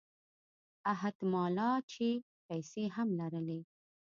احت مالًا چې پیسې هم لرلې.